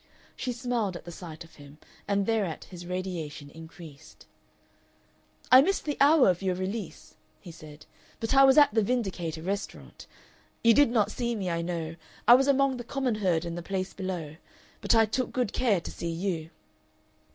She smiled at the sight of him, and thereat his radiation increased. "I missed the hour of your release," he said, "but I was at the Vindicator Restaurant. You did not see me, I know. I was among the common herd in the place below, but I took good care to see you."